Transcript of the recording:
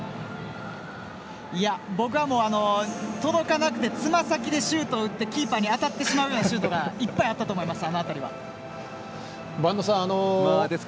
いや、僕は届かなくてつま先でシュート打ってキーパーに当たってしまうシュートがいっぱいあったと思います。